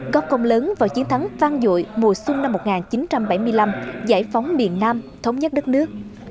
góp công lớn vào chiến thắng vang dội mùa xuân năm một nghìn chín trăm bảy mươi năm giải phóng miền nam thống nhất đất nước